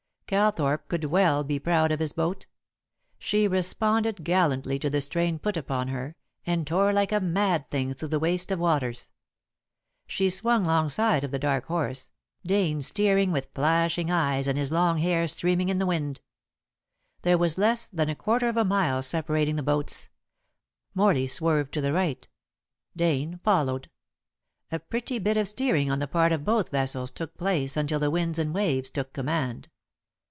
Calthorpe could well be proud of his boat. She responded gallantly to the strain put upon her, and tore like a mad thing through the waste of waters. She swung 'longside of The Dark Horse, Dane steering with flashing eyes and his long hair streaming in the wind. There was less than a quarter of a mile separating the boats. Morley swerved to the right. Dane followed. A pretty bit of steering on the part of both vessels took place until the winds and waves took command.